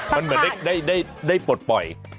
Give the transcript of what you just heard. มันเหมือนได้ปลดปล่อย